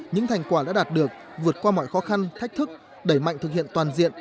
những thành quả đã đạt được vượt qua mọi khó khăn thách thức đẩy mạnh thực hiện toàn diện